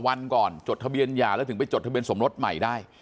วันก่อนจดทะเบียนหย่าแล้วถึงไปจดทะเบียนสมรสใหม่ได้